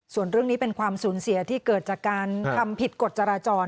ส่วนเรื่องนี้เป็นความสูญเสียที่เกิดจากการทำผิดกฎจราจร